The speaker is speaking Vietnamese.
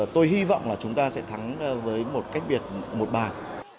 tôi hy vọng là chúng ta sẽ thắng với một cách biệt một bàn